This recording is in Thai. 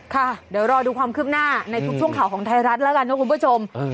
ค่ะเดี๋ยวรอดูความคืบหน้าในทุกช่วงข่าวของไทยรัฐแล้วกันนะคุณผู้ชม